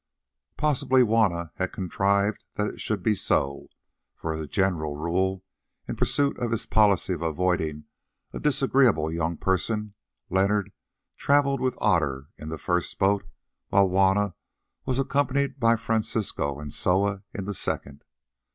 Possibly Juanna had contrived that it should be so, for as a general rule, in pursuit of his policy of avoiding a disagreeable young person, Leonard travelled with Otter in the first boat, while Juanna was accompanied by Francisco and Soa in the second.